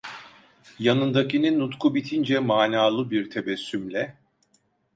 Yanındakinin nutku bitince manalı bir tebessümle: